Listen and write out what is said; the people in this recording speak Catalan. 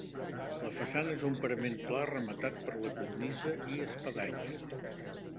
La façana és un parament pla rematat per la cornisa i espadanya.